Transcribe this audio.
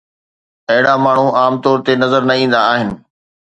اهڙا ماڻهو عام طور تي نظر نه ايندا آهن